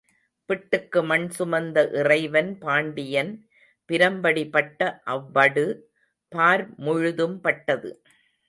பிட்டுக்கு மண் சுமந்த இறைவன் பாண்டியன் பிரம்படி பட்ட அவ்வடு பார் முழுதும் பட்டது.